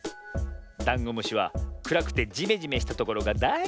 ダンゴムシはくらくてジメジメしたところがだいすき。